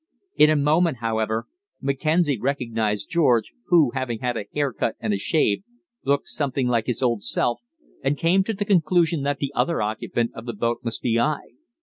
In a moment, however, Mackenzie recognised George, who, having had a hair cut and a shave, looked something like his old self, and came to the conclusion that the other occupant of the boat must be I.